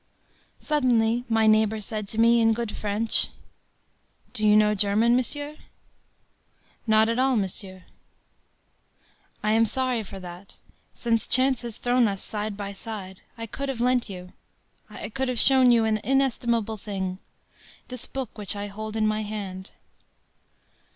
” Suddenly, my neighbor said to me, in good French: “Do you know German, monsieur?” “Not at all, monsieur.” “I am sorry for that. Since chance has thrown us side by side, I could have lent you, I could have shown you, an inestimable thing—this book which I hold in my hand.